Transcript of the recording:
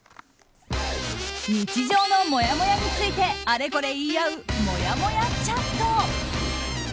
日常のもやもやについてあれこれ言い合うもやもやチャット。